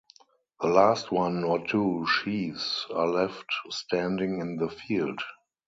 The last one or two sheaves are left standing in the field.